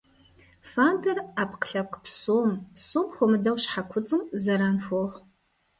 Фадэр Ӏэпкълъэпкъ псом, псом хуэмыдэу щхьэ куцӀым зэран хуэхъу.